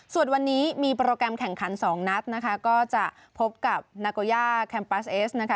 ส่วนวันนี้มีโปรแกรมแข่งขันสองนัดนะคะก็จะพบกับนาโกย่าแคมปัสเอสนะคะ